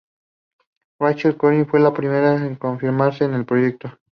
Rachel Korine fue la primera en confirmarse en el proyecto.